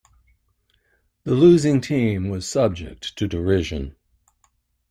The losing team was subject to derision.